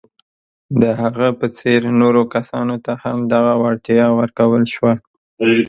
د هغه په څېر نورو کسانو ته هم دغه وړتیا ورکول شوه.